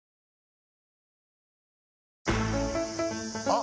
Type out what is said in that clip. あ！